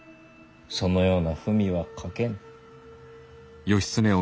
そのような文は書けぬ。